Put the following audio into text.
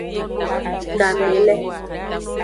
Game le.